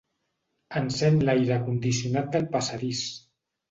Encén l'aire condicionat del passadís.